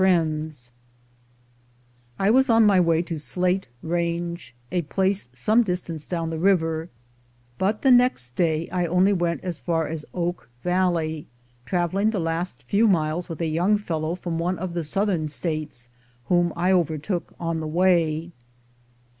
A BAND OF WANDERERS 245 I was on my way to Slate Range, a place some distance down the river, but the next day I only went as far as Oak Valley, traveling the last few miles with a young fellow from one of the Southern States, whom I overtook on the way.